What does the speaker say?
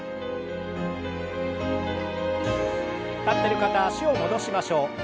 立ってる方は脚を戻しましょう。